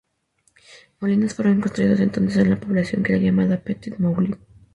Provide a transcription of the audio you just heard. Molinos fueron construidos entonces en la población que era llamada Petit-Moulin.